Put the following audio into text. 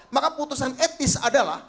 maka putusan etis adalah